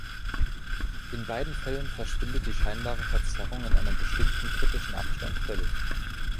In beiden Fällen verschwindet die scheinbare Verzerrung in einem bestimmten kritischen Abstand völlig.